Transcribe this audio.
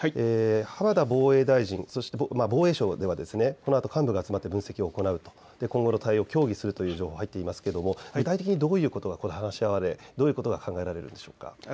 浜田防衛大臣、防衛省ではこのあと幹部が集まって分析を行うという、今後の対応を協議するという情報が入っていますが具体的にどういうことが話し合われると考えられますか。